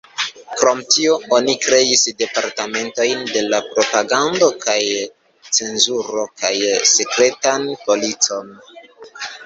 Krom tio, oni kreis departementojn de propagando kaj cenzuro kaj sekretan policon.